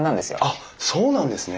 あっそうなんですね。